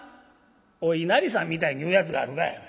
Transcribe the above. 「『お稲荷さん』みたいに言うやつがあるかいお前。